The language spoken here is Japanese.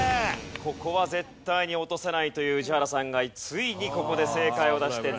ここは絶対に落とせないという宇治原さんがついにここで正解を出して７位。